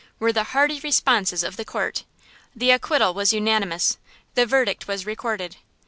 were the hearty responses of the court. The acquittal was unanimous. The verdict was recorded.